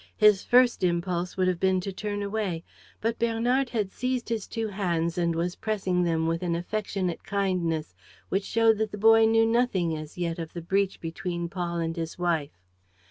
His first impulse would have been to turn away; but Bernard had seized his two hands and was pressing them with an affectionate kindness which showed that the boy knew nothing as yet of the breach between Paul and his wife.